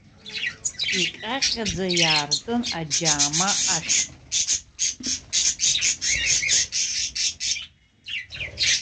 Иҟьаҟьаӡа иаартын аџьаама ашә.